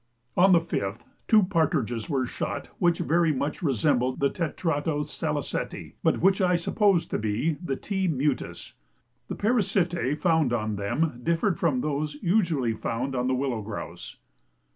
On the 5th two partridges were shot which very much resembled the tetrao saliceti, but which I suppose to be the T. mutus. The parasitæ found on them differed from those usually found on the willow grouse.